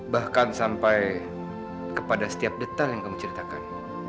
bahkan sampai kepada setiap detail yang kau menceritakan